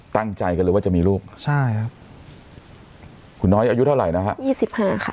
ตั้งใจกันเลยว่าจะมีลูกใช่ครับคุณน้อยอายุเท่าไหร่นะฮะยี่สิบห้าค่ะ